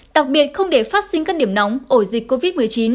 đặc biệt không để phát sinh các điểm nóng ổ dịch covid một mươi chín